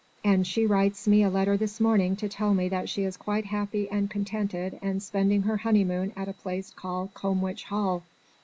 And she writes me a letter this morning to tell me that she is quite happy and contented and spending her honeymoon at a place called Combwich Hall.